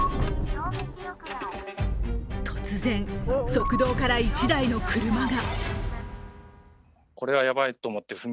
突然、側道から１台の車が。